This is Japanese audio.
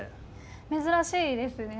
珍しいですよね。